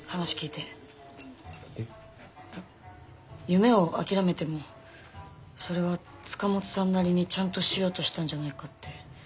夢を諦めてもそれは塚本さんなりにちゃんとしようとしたんじゃないかって。